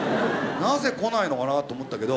なぜ来ないのかなと思ったけど。